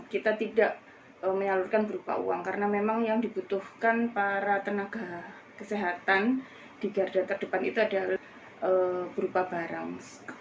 kita tidak menyalurkan berupa uang karena memang yang dibutuhkan para tenaga kesehatan di garda terdepan itu adalah berupa barang